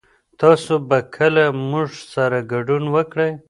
تاسو به کله موږ سره ګډون وکړئ